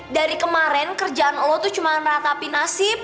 dari kemarin kerjaan lo tuh cuma meratapi nasib